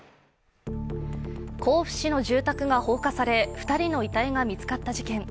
甲府市の住宅が放火され、２人の遺体が見つかった事件。